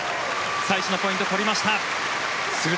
最初のポイント取りました。